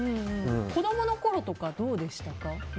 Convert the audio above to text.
子供のころとかどうでしたか？